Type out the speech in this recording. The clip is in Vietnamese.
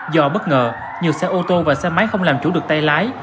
do bất ngờ nhiều xe ô tô và xe máy không làm chủ được tay lái